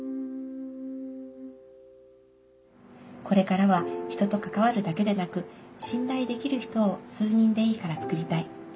「これからは『人と関わる』だけでなく『信頼できる人』を数人でいいからつくりたい。